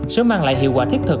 sẽ mang lại hiệu quả thiết thực